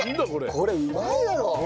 これうまいだろう！